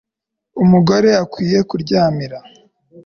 umugore akwiye kuryamira